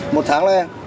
một tháng lè